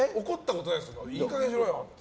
いい加減にしろよって。